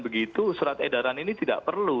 begitu surat edaran ini tidak perlu